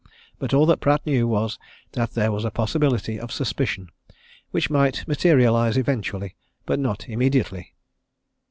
But all that Pratt knew was that there was a possibility of suspicion which might materialize eventually, but not immediately.